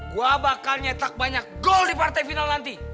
gue bakal nyetak banyak gol di partai final nanti